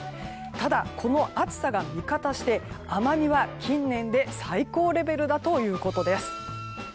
ただ、この暑さが味方して甘みは近年で最高レベルだということです。